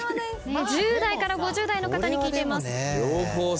１０代から５０代の方に聞いています。